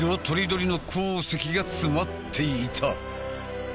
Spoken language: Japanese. とりどりの鉱石が詰まっていた。